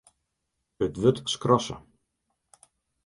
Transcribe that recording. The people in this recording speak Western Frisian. It wurd skrasse.